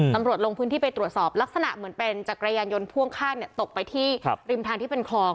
ลงพื้นที่ไปตรวจสอบลักษณะเหมือนเป็นจักรยานยนต์พ่วงข้างตกไปที่ริมทางที่เป็นคลอง